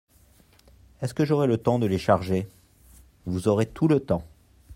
Est-ce que j'aurai le temps de les charger ? Vous aurez tout le temps.